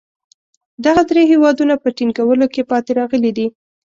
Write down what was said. دغه درې هېوادونه په ټینګولو کې پاتې راغلي دي.